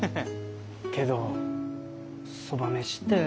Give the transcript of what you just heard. けどそばめしって。